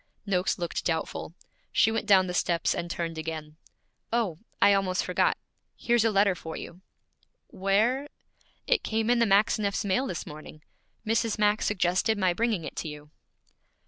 Noakes looked doubtful. She went down the steps and turned again. 'Oh, I almost forgot here's a letter for you.' 'Where ' 'It came in the Maxineffs' mail this morning. Mrs. Max suggested my bringing it to you.'